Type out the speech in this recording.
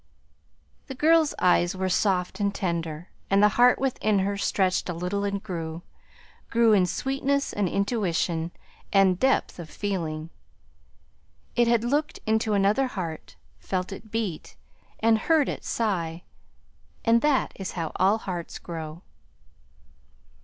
The girl's eyes were soft and tender and the heart within her stretched a little and grew; grew in sweetness and intuition and depth of feeling. It had looked into another heart, felt it beat, and heard it sigh; and that is how all hearts grow.